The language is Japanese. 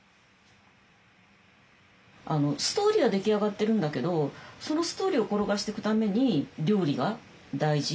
ストーリーは出来上がってるんだけどそのストーリーを転がしていくために料理が大事。